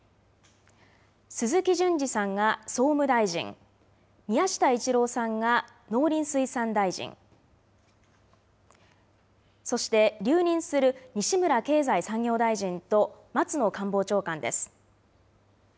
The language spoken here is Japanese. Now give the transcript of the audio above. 鈴木淳司さんが総務大臣、宮下一郎さんが農林水産大臣、そして留任する西村経済産業大臣と松野官房長官です。